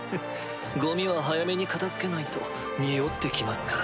ゴミは早めに片付けないとにおって来ますからね。